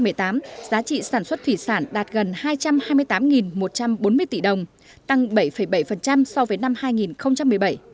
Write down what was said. năm hai nghìn một mươi tám giá trị sản xuất thủy sản đạt gần hai trăm hai mươi tám một trăm bốn mươi tỷ đồng tăng bảy bảy so với năm hai nghìn một mươi bảy